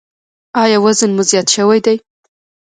ایا وزن مو زیات شوی دی؟